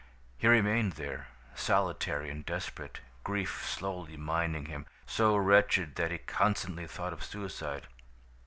He remained there, solitary and desperate, grief slowly mining him, so wretched that he constantly thought of suicide.